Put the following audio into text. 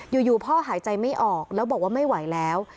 อยู่พ่อหายใจไม่ออกแล้วบอกว่าไม่ไหวแล้ว